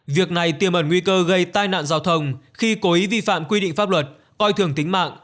việc này tiêm ẩn nguy cơ gây tai nạn giao thông khi cố ý vi phạm quy định pháp luật coi thường tính mạng